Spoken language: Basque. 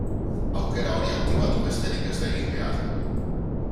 Aukera hori aktibatu besterik ez da egin behar.